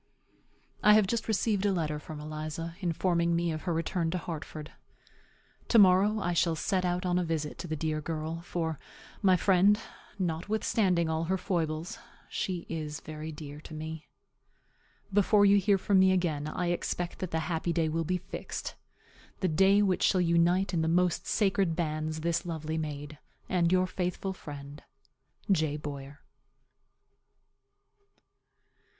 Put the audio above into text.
I have just received a letter from Eliza, informing me of her return to Hartford. To morrow I shall set out on a visit to the dear girl; for, my friend, notwithstanding all her foibles, she is very dear to me. Before you hear from me again I expect that the happy day will be fixed the day which shall unite in the most sacred bands this lovely maid and your faithful friend, J. BOYER.